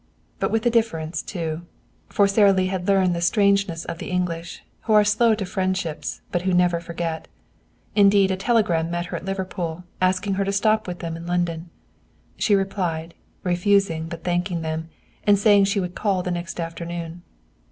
But with a difference too. For Sara Lee had learned the strangeness of the English, who are slow to friendships but who never forget. Indeed a telegram met her at Liverpool asking her to stop with them in London. She replied, refusing, but thanking them, and saying she would call the next afternoon.